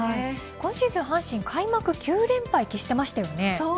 今シーズン阪神は開幕９連敗を喫していましたね。